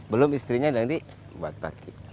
belum istrinya nanti buat pake